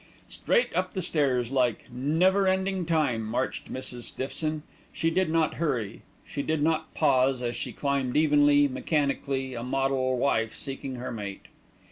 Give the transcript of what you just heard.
Straight up the stairs, like "never ending Time," marched Mrs. Stiffson. She did not hurry, she did not pause, she climbed evenly, mechanically, a model wife seeking her mate.